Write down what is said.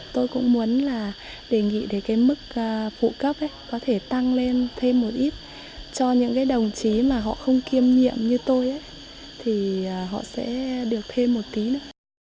tôi cũng muốn là đề nghị thì cái mức phụ cấp có thể tăng lên thêm một ít cho những cái đồng chí mà họ không kiêm nhiệm như tôi thì họ sẽ được thêm một tí nữa